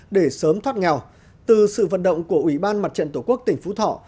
để sớm thoát nghèo từ sự vận động của ủy ban mặt trận tổ quốc tỉnh phú thọ